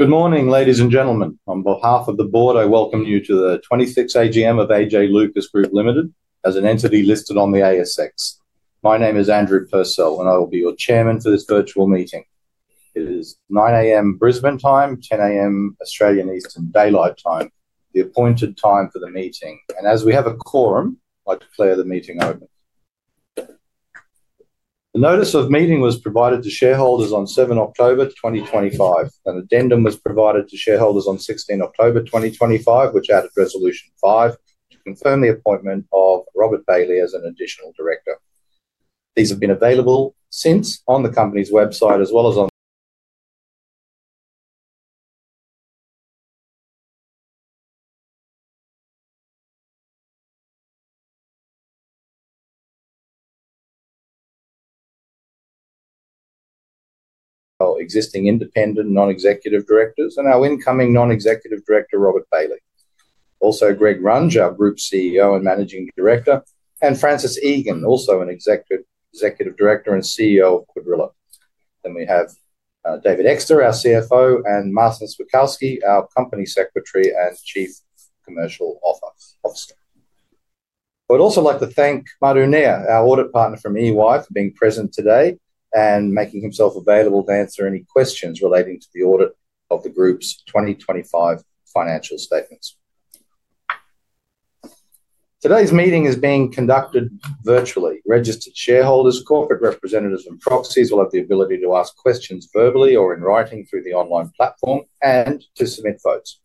Good morning ladies and gentlemen. On behalf of the Board, I welcome you to the 26th AGM of AJ Lucas Group Limited as an entity listed on the ASX. My name is Andrew Purcell and I will be your Chairman for this virtual meeting. It is 9:00 A.M. Brisbane Time, 10:00 A.M. Australian Eastern Daylight Time, the appointed time for the meeting and as we have a quorum I'd declare the meeting open. The notice of meeting was provided to shareholders on 7th October 2025. An addendum was provided to shareholders on 16th October 2025 which added Resolution 5 to confirm the appointment of Robert Bailey as an additional Director. These have been available since on the company's website, as well as our existing independent Non-Executive Directors and our incoming Non-Executive Director Robert Bailey, also Greg Runge, our Group CEO and Managing Director, and Francis Egan, also an Executive Director and CEO of Cuadrilla. Then we have David Exter, our CFO, and Marcin Swakowski, our Company Secretary and Chief Commercial Officer. I would also like to thank Mark Neal, our audit partner from Ernst & Young, for being present today and making himself available to answer any questions relating to the audit of the group's 2025 financial statements. Today's meeting is being conducted virtually. Registered shareholders, corporate representatives, and proxies will have the ability to ask questions verbally or in writing through the online platform and to submit votes.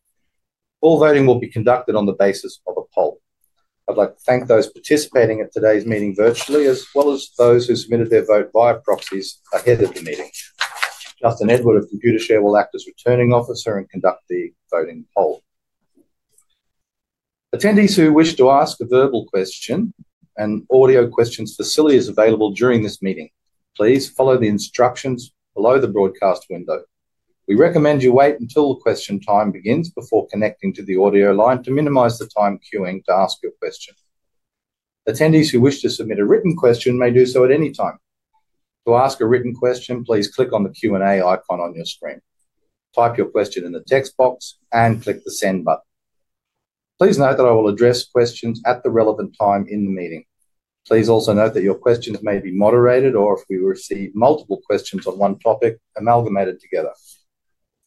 All voting will be conducted on the basis of a poll. I'd like to thank those participating at today's meeting virtually as well as those who submitted their vote via proxies ahead of the meeting. Justin Edwards of Computershare will act as Returning Officer and conduct the voting poll. Attendees who wish to ask a verbal question and audio questions facilities available during this meeting, please follow the instructions below the broadcast window. We recommend you wait until question time begins before connecting to the audio line to minimize the time queuing to ask your question. Attendees who wish to submit a written question may do so at any time. To ask a written question, please click on the Q&A icon on your screen, type your question in the text box and click the Send button. Please note that I will address questions at the relevant time in the meeting. Please also note that your questions may be moderated or if we receive multiple questions on one topic, amalgamated together.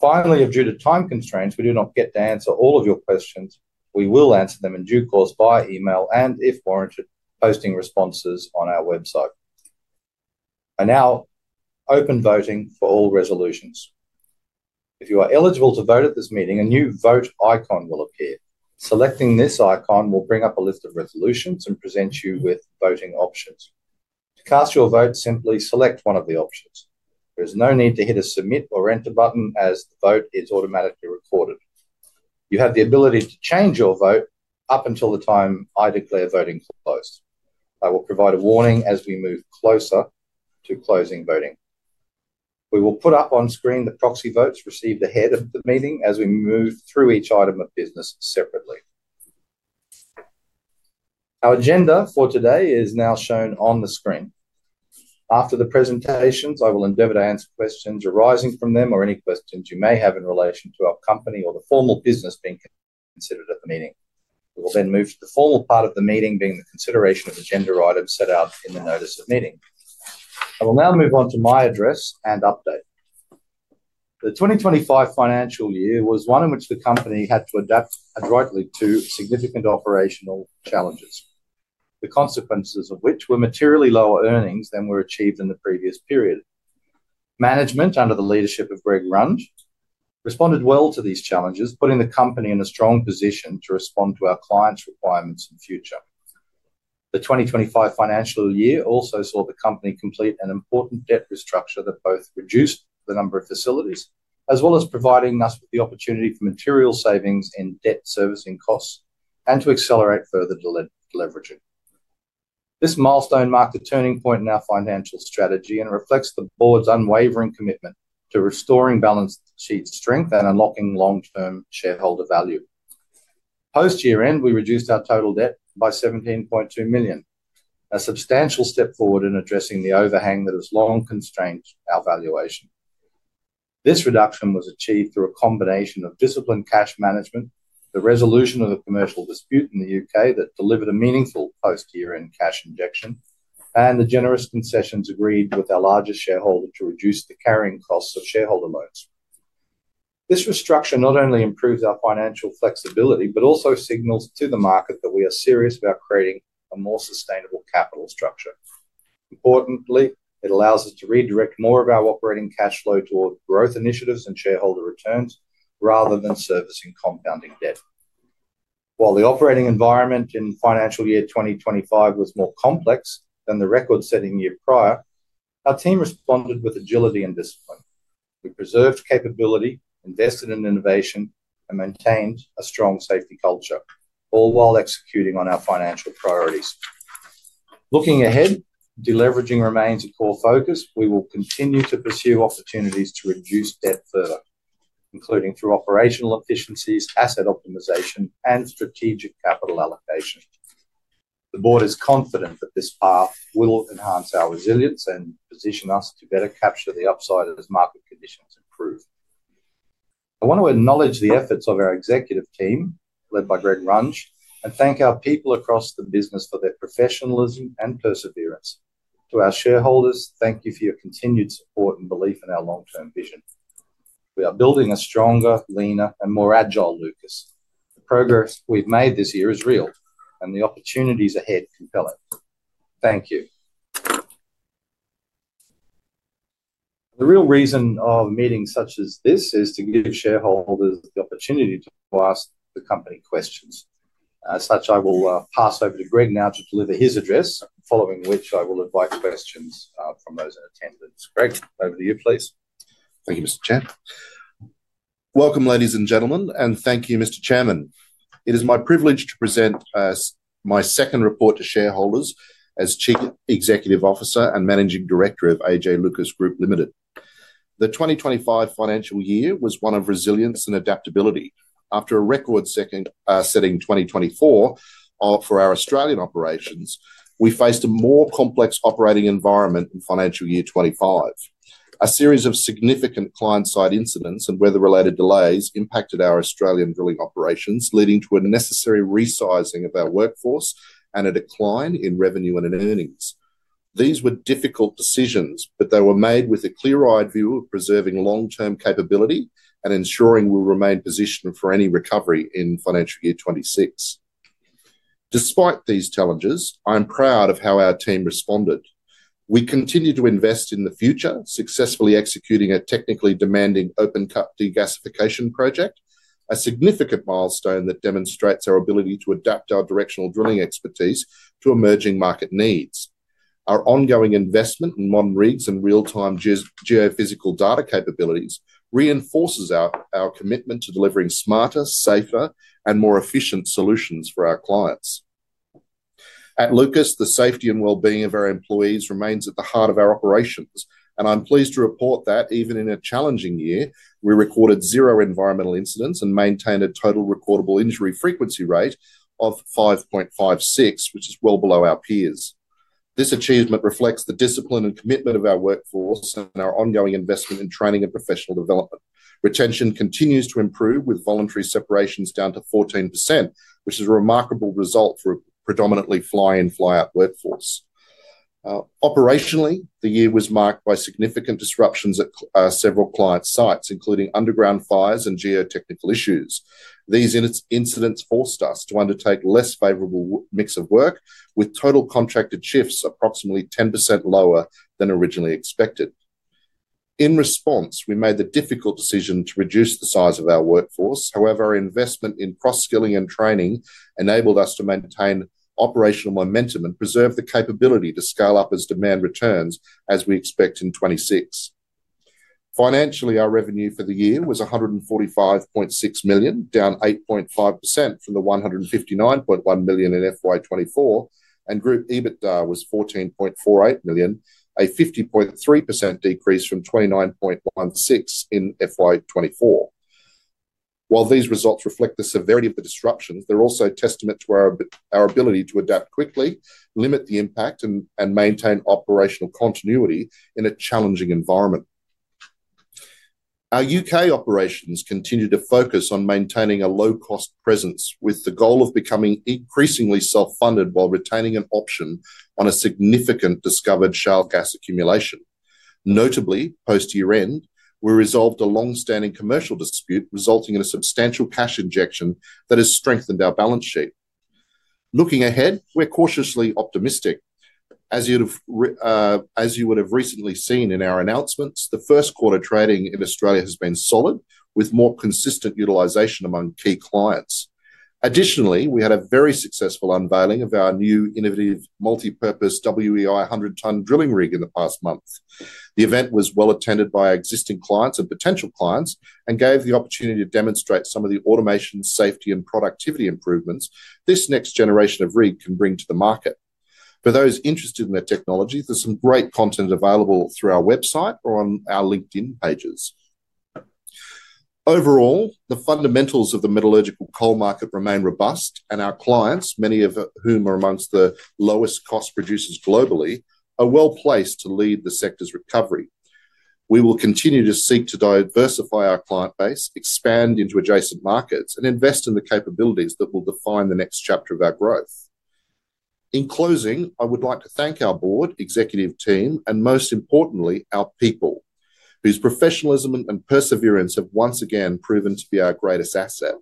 Finally, due to time constraints, we may not get to answer all of your questions. We will answer them in due course by email and, if warranted, posting responses on our website. Voting for all Resolutions is now open. If you are eligible to vote at this meeting, a new vote icon will appear. Selecting this icon will bring up a list of resolutions and present you with voting options. To cast your vote, simply select one of the options. There is no need to hit a Submit or Enter button as the vote is automatically recorded. You have the ability to change your vote up until the time I declare voting closed. I will provide a warning as we move closer to closing voting. We will put up on screen the proxy votes received ahead of the meeting as we move through each item of business separately. Our agenda for today is now shown on the screen. After the presentations, I will endeavor to answer questions arising from them or any questions you may have in relation to our company or the formal business being considered at the meeting. We will then move to the formal part of the meeting being the consideration of the agenda items set out in the notice of meeting. I will now move on to my address and update. The 2025 financial year was one in which the company had to adapt adroitly to significant operational challenges, the consequences of which were materially lower earnings than were achieved in the previous period. Management under the leadership of Greg Runge responded well to these challenges, putting the company in a strong position to respond to our clients' requirements in future. The 2025 financial year also saw the company complete an important debt restructure that both reduced the number of facilities as well as providing us with the opportunity for material savings in debt servicing costs and to accelerate further deleveraging. This milestone marked a turning point in our financial strategy and reflects the Board's unwavering commitment to restoring balance sheet strength and unlocking long-term shareholder value. Post year end we reduced our total debt by 17.2 million, a substantial step forward in addressing the overhang that has long constrained our valuation. This reduction was achieved through a combination of disciplined cash management, the resolution of a commercial dispute in the U.K. that delivered a meaningful post year end cash injection, and the generous concessions agreed with our largest shareholder to reduce the carrying costs of shareholder loans. This restructure not only improves our financial flexibility but also signals to the market that we are serious about creating a more sustainable capital structure. Importantly, it allows us to redirect more of our operating cash flow toward growth initiatives and shareholder returns rather than servicing compounding debt. While the operating environment in financial year 2025 was more complex than the record-setting year prior, our team responded with agility and discipline. We preserved capability, invested in innovation, and maintained a strong safety culture, all while executing on our financial priorities. Looking ahead, deleveraging remains a core focus. We will continue to pursue opportunities to reduce debt further, including through operational efficiencies, asset optimization, and strategic capital allocation. The Board is confident that this path will enhance our resilience and position us to better capture the upside as market conditions improve. I want to acknowledge the efforts of our executive team led by Greg Runge and thank our people across the business for their professionalism and perseverance. To our shareholders, thank you for your continued support and belief in our long-term vision. We are building a stronger, leaner, and more agile Lucas. The progress we've made this year is real and the opportunities ahead compel it. Thank you. The real reason of meetings such as this is to give shareholders the opportunity to ask the company questions. As such, I will pass over to Greg now to deliver his address, following which I will invite questions from those in attendance. Greg, over to you please. Thank you, Mr. Chair. Welcome ladies and gentlemen and thank you, Mr. Chairman. It is my privilege to present my second report to shareholders as Chief Executive Officer and Managing Director of AJ Lucas Group Limited. The 2025 financial year was one of resilience and adaptability. After a record-setting 2024 for our Australian operations, we faced a more complex operating environment in financial year 2025. A series of significant client-side incidents and weather-related delays impacted our Australian drilling operations, leading to a necessary resizing of our workforce and a decline in revenue and earnings. These were difficult decisions, but they were made with a clear-eyed view of preserving long-term capability and ensuring we will remain positioned for any recovery in financial year 2026. Despite these challenges, I'm proud of how our team responded. We continue to invest in the future, successfully executing a technically demanding open cut degasification project, a significant milestone that demonstrates our ability to adapt our directional drilling expertise to emerging market needs. Our ongoing investment in modern rigs and real time geophysical data capabilities reinforces our commitment to delivering smarter, safer, and more efficient solutions for our clients. At Lucas, the safety and well-being of our employees remains at the heart of our operations, and I'm pleased to report that even in a challenging year we recorded zero environmental incidents and maintained a total recordable injury frequency rate of 5.56, which is well below our peers. This achievement reflects the discipline and commitment of our workforce and our ongoing investment in training and professional development. Retention continues to improve with voluntary separations down to 14%, which is a remarkable result for a predominantly fly in, fly out workforce. Operationally, the year was marked by significant disruptions at several client sites including underground fires and geotechnical issues. These incidents forced us to undertake less favorable mix of work with total contracted shifts approximately 10% lower than originally expected. In response, we made the difficult decision to reduce the size of our workforce. However, our investment in cross skilling and training enabled us to maintain operational momentum and preserve the capability to scale up as demand returns as we expect in 2026. Financially, our revenue for the year was 145.6 million, down 8.5% from the 159.1 million in FY 2024 and group EBITDA was 14.48 million, a 50.3% decrease from 29.16 million in FY 2024. While these results reflect the severity of the disruptions, they're also testament to our ability to adapt quickly and limit the impact and maintain operational continuity in a challenging environment. Our U.K. operations continue to focus on maintaining a low cost presence with the goal of becoming increasingly self funded while retaining an option on a significant discovered shale gas accumulation. Notably, post year end we resolved a long standing commercial dispute resulting in a substantial cash injection that has strengthened our balance sheet. Looking ahead, we're cautiously optimistic. As you would have recently seen in our announcements, the first quarter trading in Australia has been solid with more consistent utilization among key clients. Additionally, we had a very successful unveiling of our new innovative multipurpose WEI 100 Ton drilling rig in the past month. The event was well attended by existing clients and potential clients and gave the opportunity to demonstrate some of the automation, safety and productivity improvements this next generation of rig can bring to the market. Market for those interested in the technology, there's some great content available through our website or on our LinkedIn pages. Overall, the fundamentals of the metallurgical coal market remain robust and our clients, many of whom are amongst the lowest cost producers globally, are well placed to lead the sector's recovery. We will continue to seek to diversify our client base, expand into adjacent markets, and invest in the capabilities that will define the next chapter of our growth. In closing, I would like to thank our board, executive team, and most importantly our people whose professionalism and perseverance have once again proven to be our greatest asset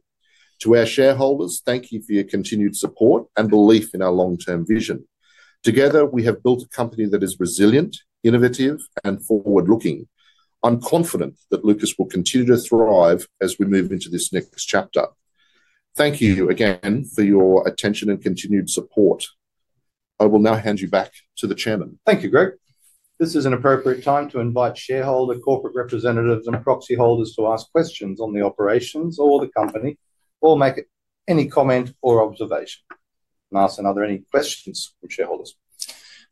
to our shareholders. Thank you for your continued support and belief in our long term vision. Together we have built a company that is resilient, innovative, and forward looking. I'm confident that Lucas will continue to thrive as we move into this next chapter. Thank you again for your attention and continued support. I will now hand you back to the Chairman. Thank you, Greg. This is an appropriate time to invite shareholders, corporate representatives, and proxy holders to ask questions on the operations or the company or make any comment or observation. Marcin, are there any questions from shareholders?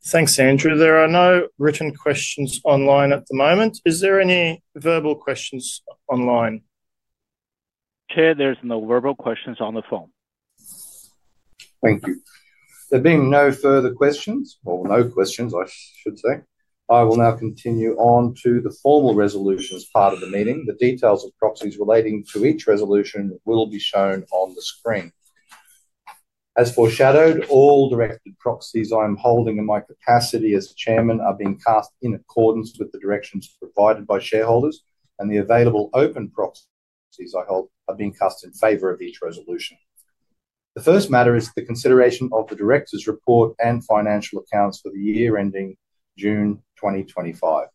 Thanks Andrew. There are no written questions online at the moment. Is there any verbal questions online? Chair, there's no verbal questions on the phone. Thank you. There being no further questions or no questions, I should say, I will now continue on to the formal resolutions part of the meeting. The details of proxies relating to each resolution will be shown on the screen as foreshadowed. All directed proxies I am holding in my capacity as Chairman are being cast in accordance with the directions provided by shareholders, and the available open proxies I hold are being cast in favor of each resolution. The first matter is the consideration of the Directors' report and financial accounts for the year ending June 2025.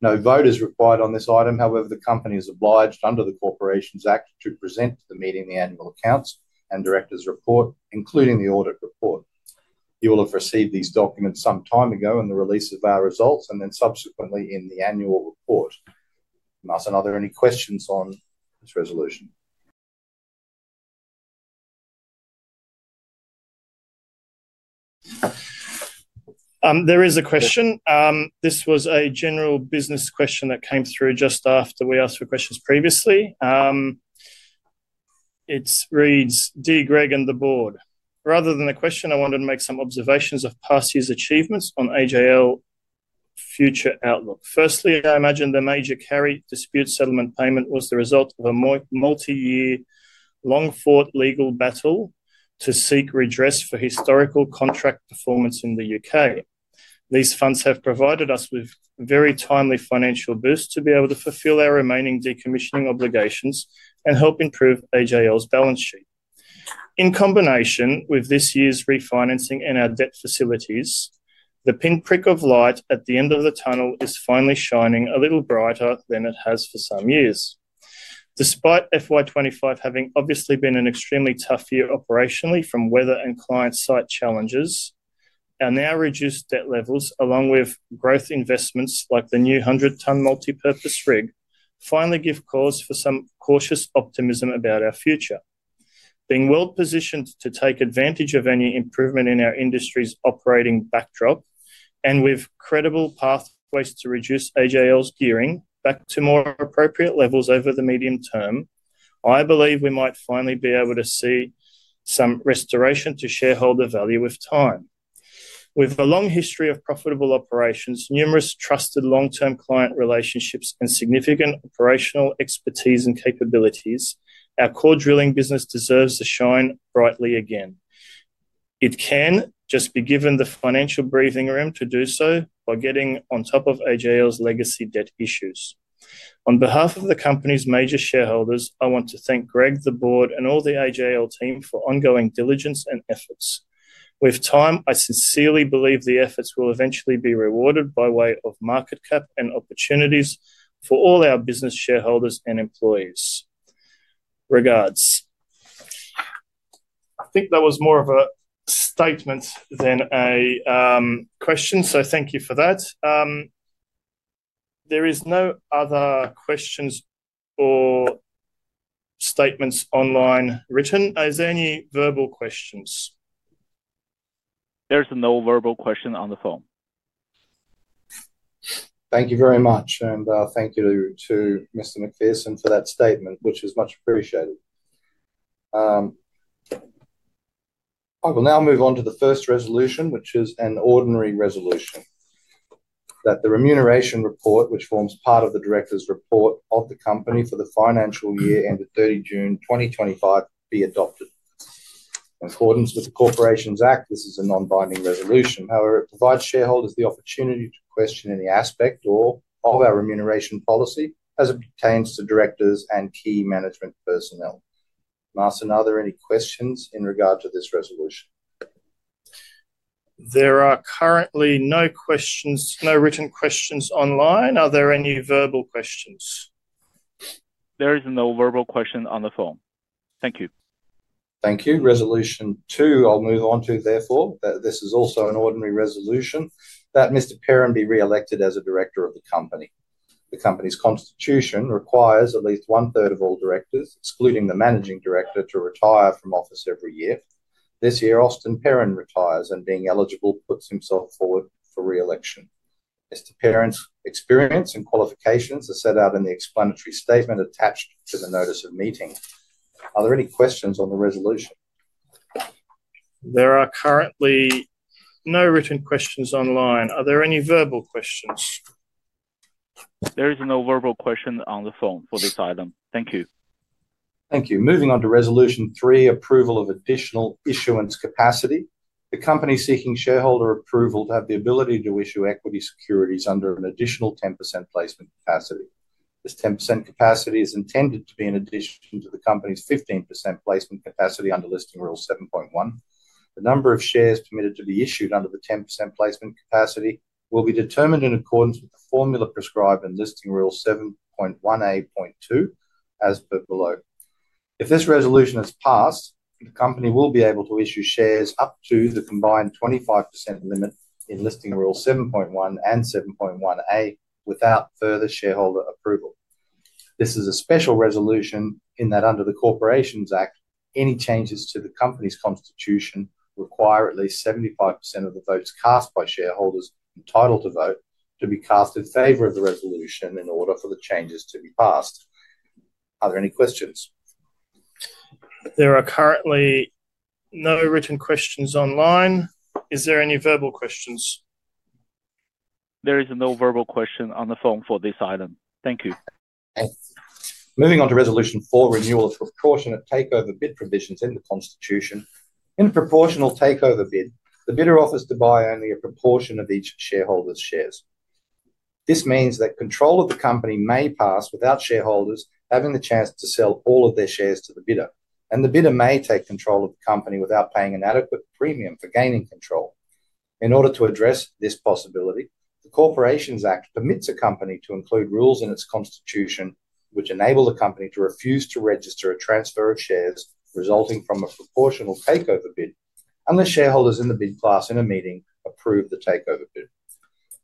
No vote is required on this item. However, the company is obliged under the Corporations Act to present the meeting the annual accounts and Directors' report, including the audit report. You will have received these documents some time ago in the release of our results and then subsequently in the Annual Report. Marcin, are there any questions on this resolution? There is a question. This was a general business question that came through just after we asked for questions previously. It reads: Dear Greg and the Board, rather than the question, I wanted to make some observations of past year's achievements on AJL future outlook. Firstly, I imagine the major carry dispute settlement payment was the result of a multi-year long fought legal battle to seek redress for historical contract performance in the U.K. These funds have provided us with very timely financial boost to be able to fulfill our remaining decommissioning obligations and help improve AJL's balance sheet. In combination with this year's refinancing and our debt facilities, the pinprick of light at the end of the tunnel is finally shining a little brighter than it has for some years. Despite FY 2025 having obviously been an extremely tough year operationally from weather and client site challenges, our now reduced debt levels along with growth investments like the new 100 ton multipurpose rig finally give cause for some cautious optimism about our future being well positioned to take advantage of any improvement in our industry's operating backdrop, and with credible pathways to reduce AJL's gearing back to more appropriate levels over the medium term, I believe we might finally be able to see some restoration to shareholder value with time. With a long history of profitable operations, numerous trusted long term client relationships, and significant operations, operational expertise and capabilities, our core drilling business deserves to shine brightly again. It can just be given the financial breathing room to do so by getting on top of AJL's legacy debt issues. On behalf of the Company's major shareholders, I want to thank Greg, the Board and all the AJL team for ongoing diligence and efforts. With time, I sincerely believe the efforts will eventually be rewarded by way of market cap and opportunities for all our business shareholders and employees. Regards. I think that was more of a statement than a question, so thank you for that. There are no other questions or statements online written. Is there any verbal questions? There's no verbal question on the phone. Thank you very much and thank you to Mr. Macpherson for that statement which is much appreciated. I will now move on to the first resolution, which is an ordinary resolution that the remuneration report, which forms part of the Director's report of the company for the financial year ended 30 June 2025, be adopted in accordance with the Corporations Act. This is a non-binding resolution. However, it provides shareholders the opportunity to question any aspect of our remuneration policy as it pertains to directors and key management personnel. Marcin, are there any questions in regard to this resolution? There are currently no questions, no written questions online. Are there any verbal questions? There is no verbal question on the phone. Thank you. Thank you. Resolution 2 I'll move on to. Therefore, this is also an ordinary resolution that Mr. Perrin be re-elected as a Director of the Company. The Company's constitution requires at least one third of all directors, excluding the Managing Director, to retire from office every year. This year Austin Perrin retires and, being eligible, puts himself forward for re-election. Mr. Perrin's experience and qualifications are set out in the explanatory statement attached to the Notice of Meeting. Are there any questions on the resolution? There are currently no written questions online. Are there any verbal questions? There is no verbal question on the phone for this item. Thank you. Thank you. Moving on to Resolution 3. Approval of additional issuance capacity. The company is seeking shareholder approval to have the ability to issue equity securities under an additional 10% placement capacity. This 10% capacity is intended to be in addition to the company's 15% placement capacity. Under Listing Rule 7.1, the number of shares permitted to be issued under the 10% placement capacity will be determined in accordance with the formula prescribed in Listing Rule 7.1A.2 as per below. If this resolution is passed, the company will be able to issue shares up to the combined 25% limit in Listing Rule 7.1 and 7.1A without further shareholder approval. This is a special resolution in that under the Corporations Act, any changes to the Company's constitution require at least 75% of the votes cast by shareholders entitled to vote to be cast in favor of the resolution in order for the changes to be passed. Are there any questions? There are currently no written questions online. Are there any verbal questions? There is no verbal question on the phone for this item. Thank you. Moving on to Resolution 4, renewal of proportionate takeover bid provisions in the Constitution. In proportional takeover bid, the bidder offers to buy only a proportion of each shareholder's shares. This means that control of the company may pass without shareholders having the chance to sell all of their shares to the bidder and the bidder may take control of the company without paying an adequate premium for gaining control. In order to address this possibility, the Corporations Act permits a company to include rules in its constitution which enable the company to refuse to register a transfer of shares resulting from a proportional takeover bid unless shareholders in the bid class in a meeting approve the takeover bid.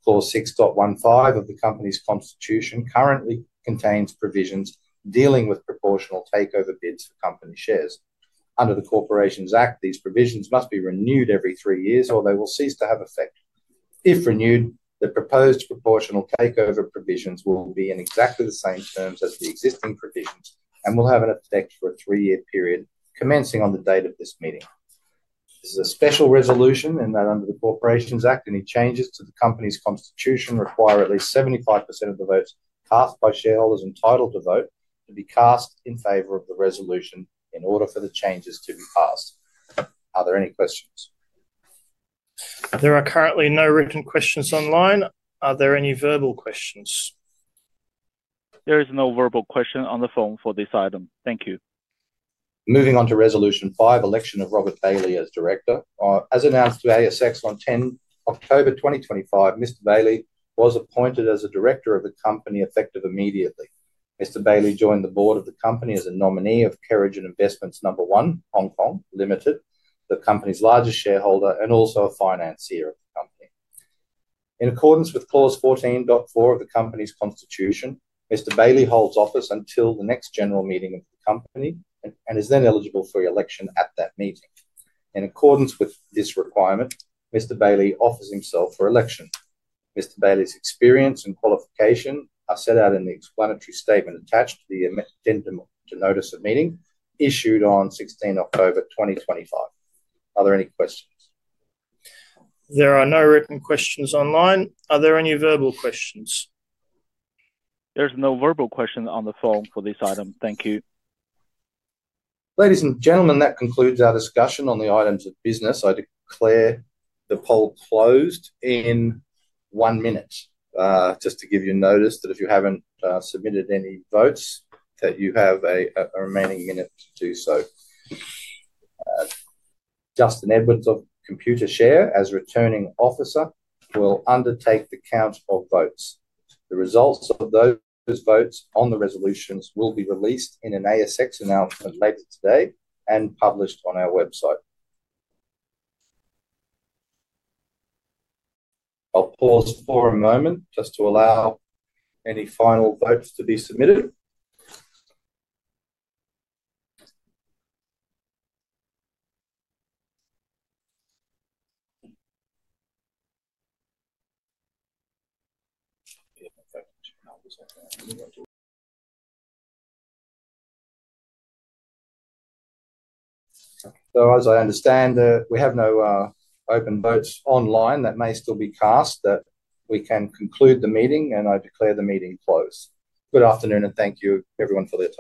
Clause 6.15 of the company's constitution currently contains provisions dealing with proportional takeover bids for company shares. Under the Corporations Act, these provisions must be renewed every three years or they will cease to have effect. If renewed, the proposed proportional takeover provisions will be in exactly the same terms as the existing provisions and will have an effect for a three-year period commencing on the date of this meeting. This is a special resolution and that under the Corporations Act, any changes to the company's constitution require at least 75% of the votes cast by shareholders entitled to vote to be cast in favor of the resolution in order for the changes to be passed. Are there any questions? There are currently no written questions online. Are there any verbal questions? There is no verbal question on the phone for this item. Thank you. Moving on to Resolution 5. Election of Robert Bailey as Director. As announced to ASX on 10 October 2025, Mr. Bailey was appointed as a Director of the company effective immediately. Mr. Bailey joined the board of the company as a nominee of Kerridge Investments Number One Hong Kong Limited, the company's largest shareholder and also a financier of the company. In accordance with clause 14.4 of the company's constitution, Mr. Bailey holds office until the next general meeting of the company and is then eligible for election at that meeting. In accordance with this requirement, Mr. Bailey offers himself for election. Mr. Bailey's experience and qualification are set out in the explanatory statement attached to the addendum to notice of meeting issued on 16 October 2025. Are there any questions? There are no written questions online. Are there any verbal questions? There's no verbal question on the phone for this item. Thank you. Ladies and gentlemen. That concludes our discussion on the items of business. I declare the poll closed in one minute, just to give you notice that if you haven't submitted any votes that you have a remaining minute to do so. Justin Edwards of Computershare, as Returning Officer, will undertake the count of votes. The results of those votes on the resolutions will be released in an ASX announcement later today and published on our website. I'll pause for a moment just to allow any final votes to be submitted. As I understand, we have no open votes online that may still be cast that we can conclude the meeting. I declare the meeting closed. Good afternoon and thank you everyone for their time.